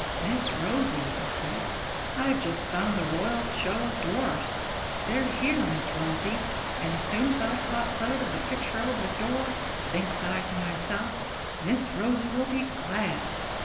'Miss Rosie,' he said, 'I've just found the "Royal Show of Dwarfs." They're here, Miss Rosie; and as soon as I caught sight of the picture over the door, thinks I to myself, "Miss Rosie will be glad."